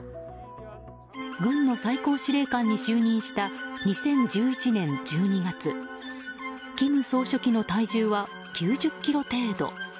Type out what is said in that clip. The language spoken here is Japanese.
軍の最高司令官に就任した２０１１年１２月金総書記の体重は９０ｋｇ程度。